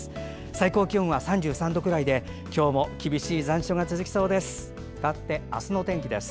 最高気温は３３度くらいで今日も厳しい残暑が続きそうです。